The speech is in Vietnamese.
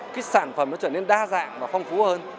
cái sản phẩm nó trở nên đa dạng và phong phú hơn